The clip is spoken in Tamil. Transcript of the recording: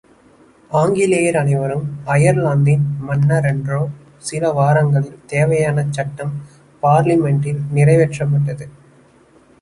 ஆங்கிலேயர் அனைவரும் அயர்லாந்தின் மன்னரன்றோ சில வாரங்களில் தேவையான சட்டம் பார்லிமெண்டில் நிறைவேற்றப்பட்டது.